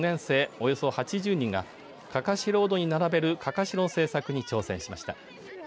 およそ８０人がかかしロードに並べるかかしの制作に挑戦しました。